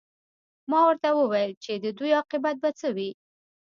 ما ورته وویل چې د دوی عاقبت به څه وي